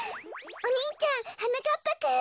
お兄ちゃんはなかっぱくん！